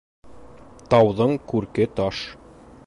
Тауҙың күрке таш